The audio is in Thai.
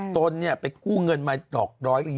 ตนเนี่ยไปกู้เงินมาดอก๑๒๐